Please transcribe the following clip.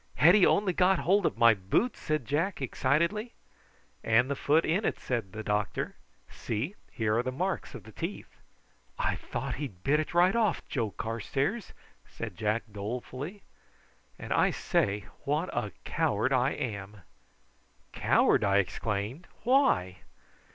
had he only got hold of my boot?" said Jack excitedly. "And the foot in it," said the doctor. "See, here are the marks of the teeth." "I thought he'd bit it right off, Joe Carstairs," said Jack dolefully. "An' I say, what a coward I am!" "Coward!" I exclaimed. "Why?"